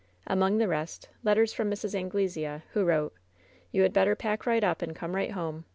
Among the rest, letters from Mrs. Anglesea, who wrote: "You had better pack right up and come right home.